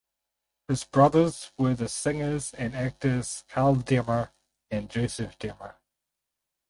His brothers were the singers and actors Carl Demmer and Joseph Demmer.